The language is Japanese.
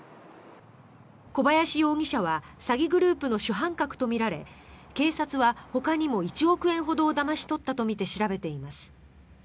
小林容疑者は詐欺グループの主犯格とみられ警察は、ほかにも１億円ほどをだまし取ったとみて調べています。